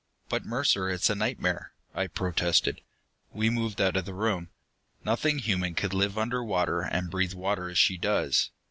"But, Mercer, it's a nightmare!" I protested. We moved out of the room. "Nothing human can live under water and breathe water, as she does!"